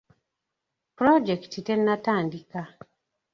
Pulojekiti tennatandika.